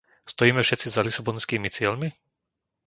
Stojíme všetci za lisabonskými cieľmi?